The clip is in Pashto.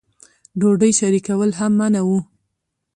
ډوډۍ شریکول هم منع وو.